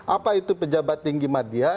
apa itu pejabat tinggi media